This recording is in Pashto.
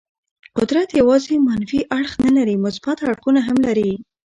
قدرت یوازې منفي اړخ نه لري، مثبت اړخونه هم لري.